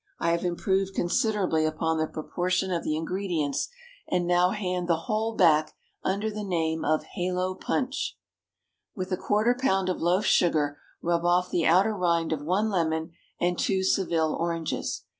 I have improved considerably upon the proportion of the ingredients, and now hand the whole back, under the name of Halo Punch. With a quarter pound of loaf sugar rub off the outer rind of one lemon and two Seville oranges.